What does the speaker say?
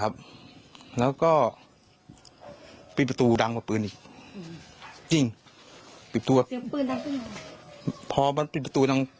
ครับแล้วก็ปิดประตูดังกว่าปืนจริงปิดตัวพอมันปิดประตูดัง